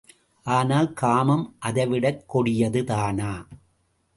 ஆனால், காமம் அதை விடக் கொடியதுதானா?